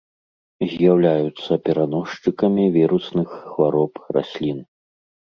З'яўляюцца пераносчыкамі вірусных хвароб раслін.